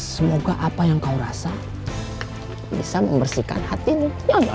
semoga apa yang kau rasa bisa membersihkan hatimu